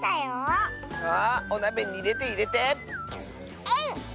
あおなべにいれていれて！えいっ！